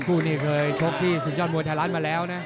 คู่นี้เคยชกที่สุดยอดมวยไทยรัฐมาแล้วนะ